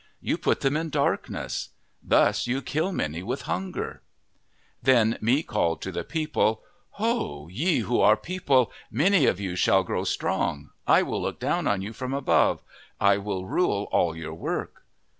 You put them in darkness ; thus you kill many with hunger." Then Mi called to the people, " Ho ! Ye who are people. Many of you shall grow strong. I will look down on you from above. I will rule all your work."